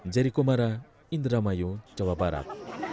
jeri kumara indra mayu jawa barat